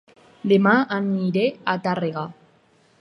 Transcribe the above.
Dema aniré a Tàrrega